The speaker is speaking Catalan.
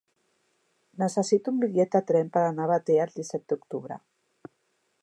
Necessito un bitllet de tren per anar a Batea el disset d'octubre.